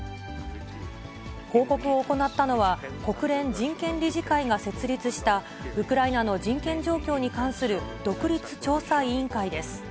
報告を行ったのは、国連人権理事会が設立したウクライナの人権状況に関する独立調査委員会です。